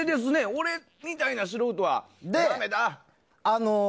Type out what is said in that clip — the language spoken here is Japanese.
俺みたいな素人はダメかな。